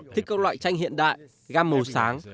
thích các loại tranh hiện đại gam màu sáng